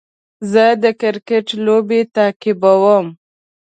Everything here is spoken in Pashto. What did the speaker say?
زه د کرکټ لوبې تعقیبوم.